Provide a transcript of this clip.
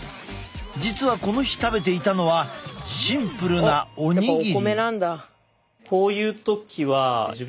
実はこの日食べていたのはシンプルなお握り。